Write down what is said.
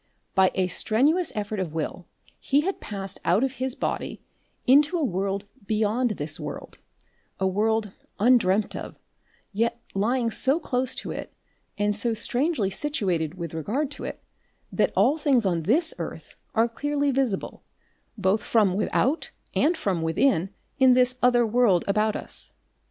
By a strenuous effort of will he had passed out of his body into a world beyond this world, a world undreamt of, yet lying so close to it and so strangely situated with regard to it that all things on this earth are clearly visible both from without and from within in this other world about us.